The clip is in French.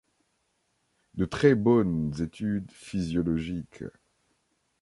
De très bonnes études physiologiques.